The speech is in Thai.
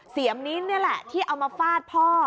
เสียมมิ้นนี่แหละที่เอามาฟาดพ่อ